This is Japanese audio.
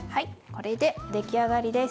これで出来上がりです。